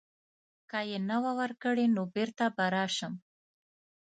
که یې نه وه ورکړې نو بیرته به راشم.